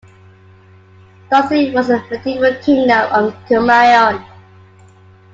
Doti was a medieval kingdom of Kumaon.